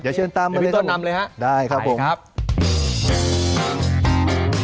เดี๋ยวช่วยตามมาเลยครับผมได้ครับผมพี่ต้นนำเลยครับ